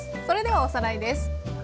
それではおさらいです。